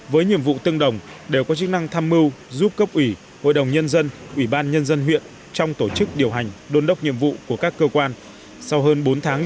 với nhiệm vụ tương đồng đều có chức năng tham mưu giúp cấp ủy hội đồng nhân dân ủy ban nhân dân huyện trong tổ chức điều hành đôn đốc nhiệm vụ của các cơ quan